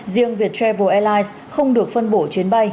riêng việt travel airlines không được phân bổ chuyến bay